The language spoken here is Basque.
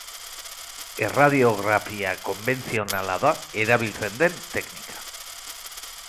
Erradiografia konbentzionala da erabiltzen den teknika.